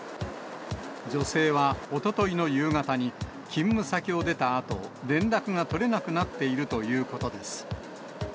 女性はおとといの夕方に、勤務先を出たあと、連絡が取れなくなっているということです。